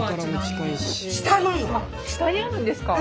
下にあるんですか！